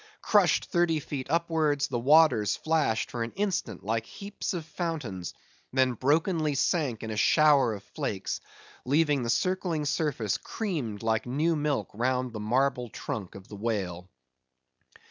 Crushed thirty feet upwards, the waters flashed for an instant like heaps of fountains, then brokenly sank in a shower of flakes, leaving the circling surface creamed like new milk round the marble trunk of the whale.